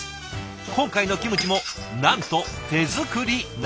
今回のキムチもなんと手作りなんですって。